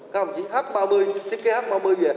không chỉ h ba mươi chứ cái h ba mươi về